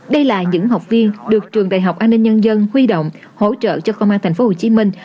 đây là những học viên được trường đại học an ninh nhân dân huy động hỗ trợ cho công an thành phố hồ chí minh